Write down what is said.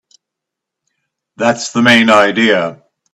That's the main idea.